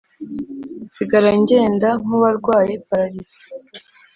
nsigara ngenda nk` uwarwaye palarise,